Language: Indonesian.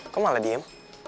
kok malah diem